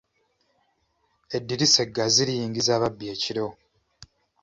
Eddirisa eggazi liyingiza ababbi ekiro.